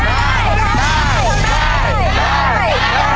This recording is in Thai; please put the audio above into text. ได้